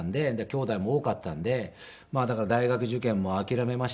きょうだいも多かったんでだから大学受験も諦めましたし。